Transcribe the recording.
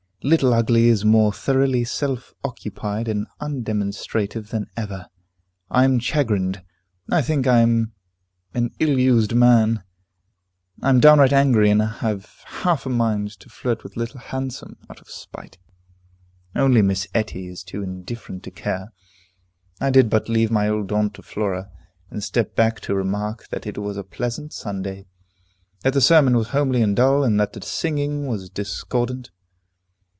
Little Ugly is more thoroughly self occupied and undemonstrative than ever. I am chagrined, I think I am an ill used man. I am downright angry and have half a mind to flirt with Little Handsome, out of spite. Only Miss Etty is too indifferent to care. I did but leave my old aunt to Flora, and step back to remark that it was a pleasant Sunday, that the sermon was homely and dull, and that the singing was discordant.